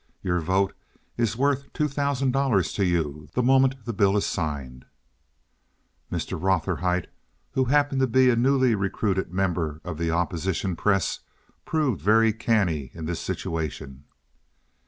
Your vote is worth two thousand dollars to you the moment the bill is signed." Mr. Rotherhite, who happened to be a newly recruited member of the Opposition press, proved very canny in this situation.